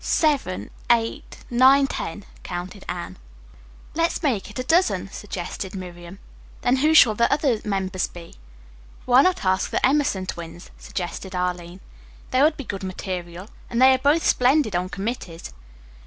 "Seven, eight, nine, ten," counted Anne. "Let us make it a dozen," suggested Miriam. "Then who shall the other two members be?" "Why not ask the Emerson Twins?" suggested Arline. "They would be good material, and they are both splendid on committees.